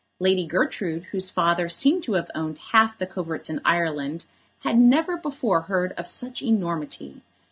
Lady Gertrude, whose father seemed to have owned half the coverts in Ireland, had never before heard of such enormity.